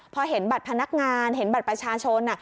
พอเห็นบัตรพนักงานเห็นบัตรประชาชน